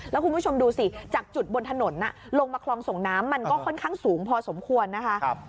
แล้วคุณผู้ชมดูสิจากจุดบนถนนลงมาคลองส่งน้ำมันก็ค่อนข้างสูงพอสมควรนะคะ